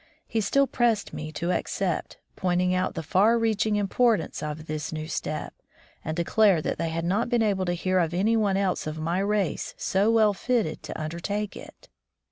He still pressed me to accept, pointing out the far reaching importance of this new step, and declared that they had not been able to hear of any one else of my race so well fitted to undertake it.